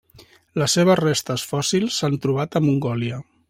Les seves restes fòssils s'han trobat a Mongòlia.